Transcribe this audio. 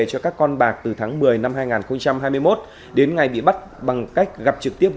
cho các con bạc từ tháng một mươi năm hai nghìn hai mươi một đến ngày bị bắt bằng cách gặp trực tiếp